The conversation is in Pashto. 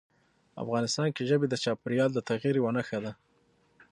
افغانستان کې ژبې د چاپېریال د تغیر یوه نښه ده.